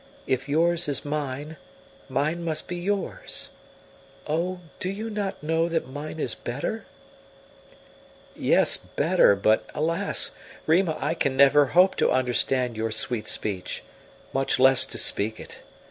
If yours is mine, mine must be yours. Oh, do you not know that mine is better?" "Yes, better; but alas! Rima, I can never hope to understand your sweet speech, much less to speak it.